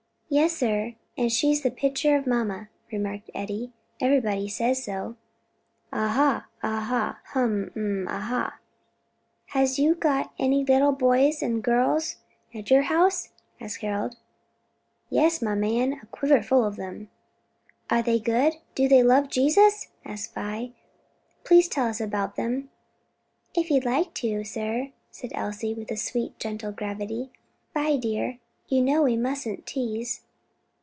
"Yes, sir; and she's the picture of mamma;" remarked Eddie; "everybody says so." "Ah ha, ah ha! um h'm, ah ha!" "Has you dot any 'ittle boys and dirls at your house?" asked Harold. "Yes, my man, a quiver full of them." "Are they good? do they love Jesus?" asked Vi. "Please tell us about them." "If you like to, sir," said Elsie, with a sweet and gentle gravity. "Vi, dear, you know we mustn't tease."